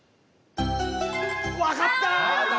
分かった！